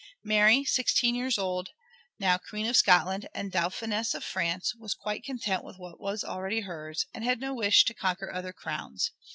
Mary, sixteen years old, now Queen of Scotland and Dauphiness of France, was quite content with what was already hers, and had no wish to conquer other crowns.